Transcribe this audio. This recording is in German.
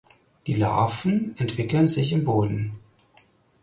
Die Larven entwickeln sich im Boden.